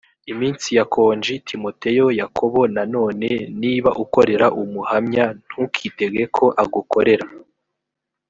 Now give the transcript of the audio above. iminsi ya konji timoteyo yakobo nanone niba ukorera umuhamya ntukitege ko agukorera